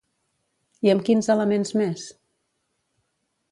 I amb quins elements més?